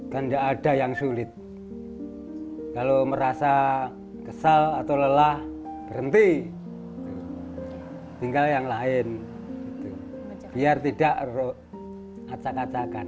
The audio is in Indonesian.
kan enggak ada yang sulit kalau merasa kesal atau lelah berhenti tinggal yang lain biar tidak acak acakan